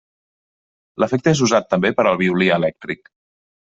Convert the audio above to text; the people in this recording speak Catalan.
L'efecte és usat també per al violí elèctric.